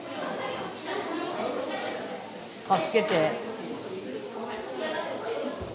助けて。